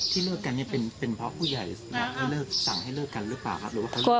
ที่เลือกกันเนี้ยเป็นเป็นเพราะผู้ใหญ่หรือเปล่าหรือว่าเขา